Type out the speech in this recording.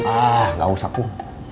ah gak usah kum